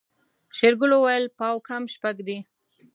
شېرګل وويل پاو کم شپږ دي.